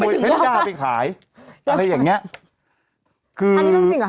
ขโมยเผ็ดย่าไปขายอะไรอย่างเนี้ยคือ